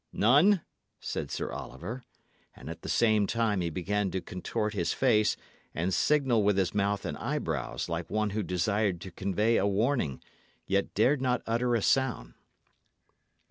"None," said Sir Oliver. And at the same time he began to contort his face, and signal with his mouth and eyebrows, like one who desired to convey a warning, yet dared not utter a sound.